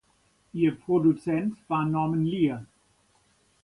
Ihr Produzent war Norman Lear.